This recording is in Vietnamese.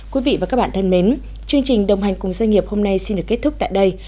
quý vị và các bạn thân mến chương trình đồng hành cùng doanh nghiệp hôm nay xin được kết thúc tại đây